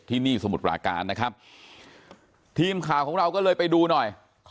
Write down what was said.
ที่นี่สมุทรปราการนะครับทีมข่าวของเราก็เลยไปดูหน่อย